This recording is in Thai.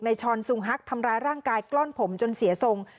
ช้อนซุงฮักทำร้ายร่างกายกล้อนผมจนเสียทรง